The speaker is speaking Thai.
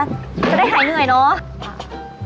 จะได้หายเหนื่อยเนาะ